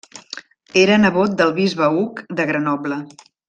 Era nebot del bisbe Hug de Grenoble.